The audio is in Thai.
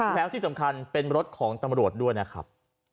แล้วที่สำคัญเป็นรถของตำรวจด้วยนะครับ